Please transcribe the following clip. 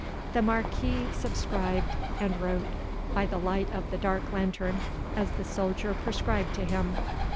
The Marquis subscribed, and wrote, by the light of the dark lantern, as the soldier prescribed to him.